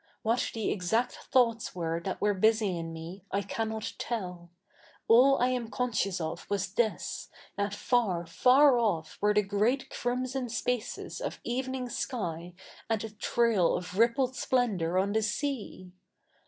What the exact thoughts we7'e that ivere busy in 7713, I can7iot tell. All I am co7iscious of was this, that far, far off were the great crimso7i spaces of eveni7ig sky a7td a trail of rippled sple7idoicr 07i the sea.